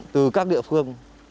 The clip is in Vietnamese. từ các địa phương